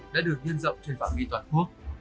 đã được nhân dọng trên bảng vi toàn quốc